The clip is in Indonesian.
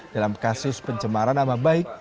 dalam kasus pencemaran nama baik